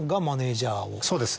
そうです。